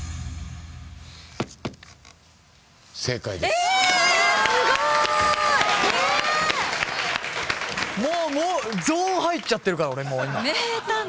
えっもうもうゾーン入っちゃってるから俺もう今・